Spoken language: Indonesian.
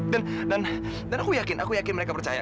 dan aku yakin aku yakin mereka percaya